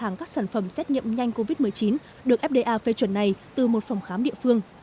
hàng các sản phẩm xét nghiệm nhanh covid một mươi chín được fda phê chuẩn này từ một phòng khám địa phương